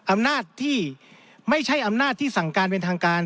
อำนาจที่ไม่ใช่อำนาจที่สั่งการเป็นทางการ